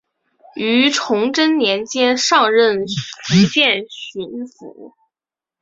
于崇祯年间上任福建巡抚。